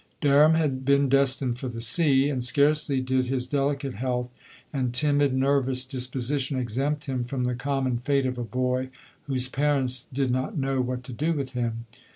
Der ham had been destined for the sea, and LODORK. 83 scarcely did his delicate health, and timid, nervous disposition exempt him from the com mon fate of a boy, whose parents did not know what to do with him.